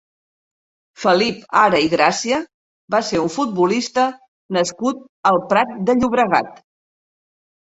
Felip Ara i Gràcia va ser un futbolista nascut al Prat de Llobregat.